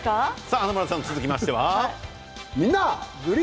華丸さん続きましては。